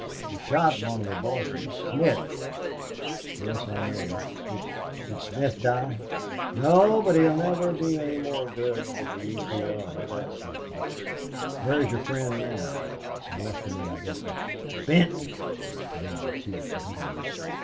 He shot one of the bosses Smith." "Yes, I know. Did did Smith die?" "No, but he'll never be any more good for the U. P. R., that's certain.... Where is your friend now?" "I left him in Benton." "Benton!" exclaimed the chief, bitterly.